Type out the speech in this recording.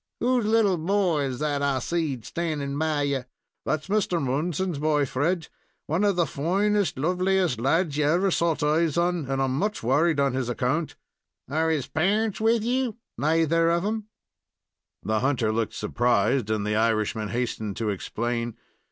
"Whose little boy is that I seed standing by you?" "That's Mr. Moonson's boy, Fred, one of the foinest, liveliest lads ye ever sot eyes on, and I'm much worried on his account." "Are his parents with you?" "Naither of 'em." The hunter looked surprised, and the Irishman hastened to explain.